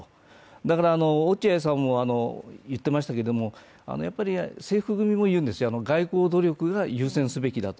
だから、落合さんも言っていましたけれども、制服組も言うんです、外交努力を優先すべきだと。